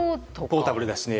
ポータブルですしね。